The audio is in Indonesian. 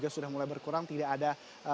sudah mulai berkurang tidak ada